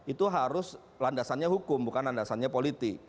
itu harus landasannya hukum bukan landasannya politik